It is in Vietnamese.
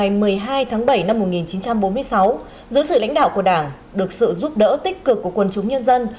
ngày một mươi hai tháng bảy năm một nghìn chín trăm bốn mươi sáu dưới sự lãnh đạo của đảng được sự giúp đỡ tích cực của quân chúng nhân dân